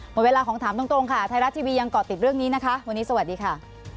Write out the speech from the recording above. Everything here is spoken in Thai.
หมดเวลาของถามตรงค่ะไทยรัฐทีวียังเกาะติดเรื่องนี้นะคะวันนี้สวัสดีค่ะ